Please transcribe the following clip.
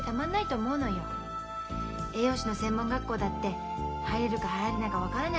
栄養士の専門学校だって入れるか入れないか分からないし。